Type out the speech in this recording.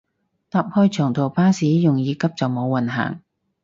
搭開長途巴士容易急就冇運行